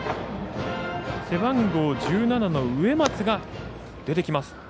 背番号１７の植松が出てきます。